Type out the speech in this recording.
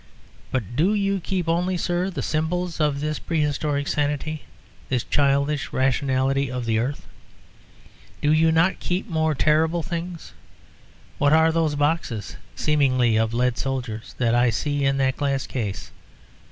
But do you keep only, sir, the symbols of this prehistoric sanity, this childish rationality of the earth? Do you not keep more terrible things? What are those boxes, seemingly of lead soldiers, that I see in that glass case?